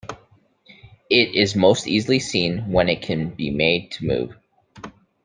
It is most easily seen when it can be made to move.